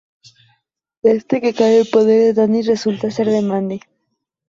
Este, que cae en poder de Danny resulta ser de Mandy.